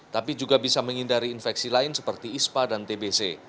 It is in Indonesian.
tapi juga bisa menghindari infeksi lain seperti ispa dan tbc